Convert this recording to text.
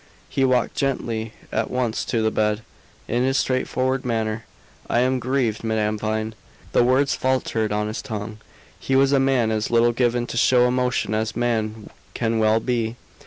He walked gently at once to the bed, in his straightforward manner. "I am grieved, Madame Vine " The words faltered on his tongue. He was a man as little given to show emotion as man can well be.